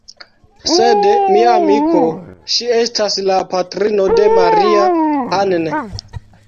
sed, mia amiko, ŝi estas la patrino de Maria-Ann!